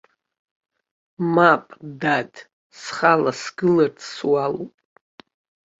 Мап, дад, схала сгыларц суалуп.